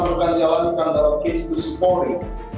jalankan dalam kejadian keberanian institusi polis